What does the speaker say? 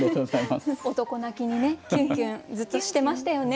男泣きにねきゅんきゅんずっとしてましたよね。